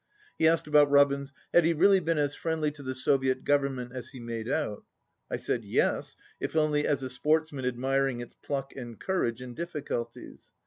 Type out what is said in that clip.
He asked about Robins, "Had he really been as friendly to the Soviet Government as he made out*?" I said, "Yes, if only as a sportsman ad miring its pluck and courage in difficulties."